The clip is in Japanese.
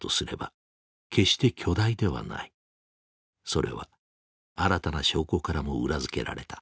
それは新たな証拠からも裏付けられた。